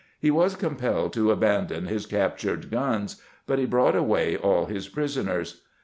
He was compelled to abandon his captured guns, but he brought away all his prisoners.